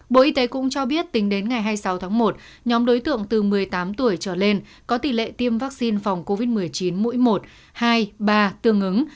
bộ y tế cũng cho biết tính đến ngày hai mươi sáu tháng một nhóm đối tượng từ một mươi tám tuổi trở lên có tỷ lệ tiêm vaccine phòng covid một mươi chín mũi một hai ba tương ứng